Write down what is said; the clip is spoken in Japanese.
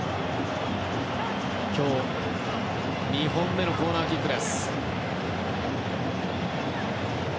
今日、２本目のコーナーキックです。